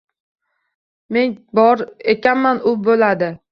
Men bor ekanman — u bo‘ladi.